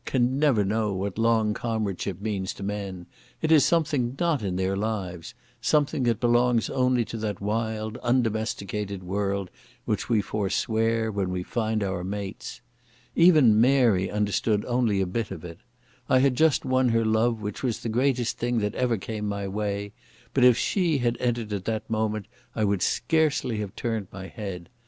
can never know what long comradeship means to men; it is something not in their lives—something that belongs only to that wild, undomesticated world which we forswear when we find our mates. Even Mary understood only a bit of it. I had just won her love, which was the greatest thing that ever came my way, but if she had entered at that moment I would scarcely have turned my head.